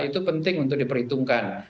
itu penting untuk diperhitungkan